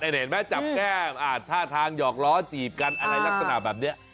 เห็นไหมจับแก้มท่าทางหยอกล้อจีบกันอะไรลักษณะแบบนี้